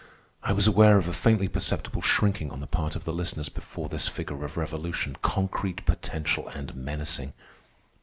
I was aware of a faintly perceptible shrinking on the part of the listeners before this figure of revolution, concrete, potential, and menacing.